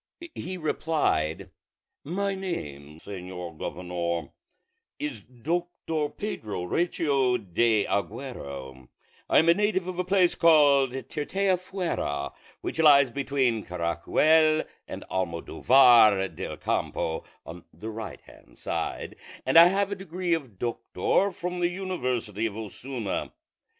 He replied, "My name, señor governor, is Doctor Pedro Recio de Aguero; I am a native of a place called Tirteafuera, which lies between Caracuel and Almodóvar del Campo, on the right hand side; and I have the degree of doctor from the university of Osuna."